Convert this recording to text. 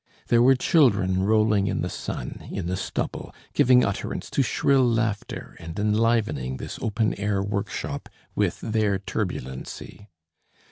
There were children rolling in the sun, in the stubble, giving utterance to shrill laughter and enlivening this open air workshop with their turbulency.